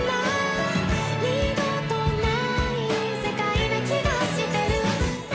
「二度とない世界な気がしてる」